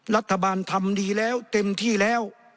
รัฐบาลทำดีแล้วเต็มที่แล้ว